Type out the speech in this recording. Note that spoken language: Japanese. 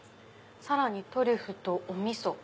さらにトリュフとおみそ。